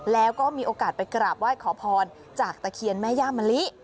แล้วก็มีโอกาสไปกราบไหว้ขอพรจากตะเคียนแม่ย่ามะลิ